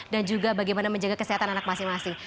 dan juga bagaimana menjaga kesehatan anak masing masing